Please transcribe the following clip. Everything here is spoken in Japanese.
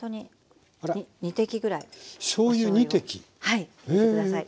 はい入れて下さい。